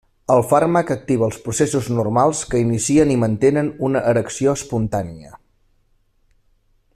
El fàrmac activa els processos normals que inicien i mantenen una erecció espontània.